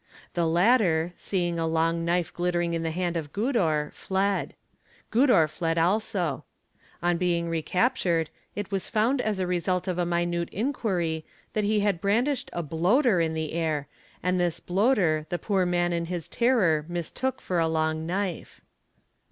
'The latter, seeing a long cnife glittering in the hand of Gudor, fled. Gnudor fled also. On being e aptured, it was found as the result of a minute inquiry that he had LS EL TT ET IO, OE SH RIT AMSAT Ke MRR IR = TT NR brandished a bloater in the air, and this bloater the poor man in his terror mistook for a long knife.